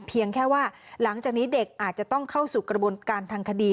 เพียงแค่ว่าหลังจากนี้เด็กอาจจะต้องเข้าสู่กระบวนการทางคดี